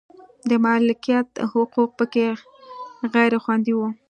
د مالکیت حقوق په کې غیر خوندي و.